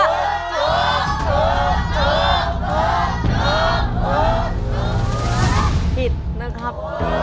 ผิดนะครับ